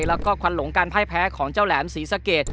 แล้วก็ควันหลงการพ่ายแพ้ของเจ้าแหลมศรีสะเกด